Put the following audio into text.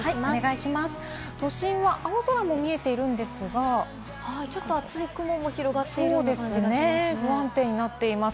都心は青空も見えているんですが、ちょっと厚い雲も広がってる不安定になっています。